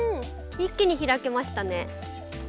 一気に開けましたね。